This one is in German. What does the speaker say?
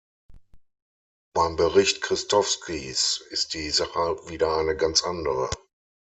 Beim Bericht Kristovskis ist die Sache wieder eine ganz andere.